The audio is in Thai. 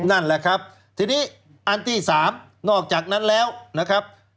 นั่นแหละครับทีนี้อันที่สามนอกจากนั้นแล้วนะครับ